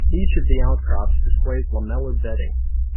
Each of the outcrops displays lamellar bedding.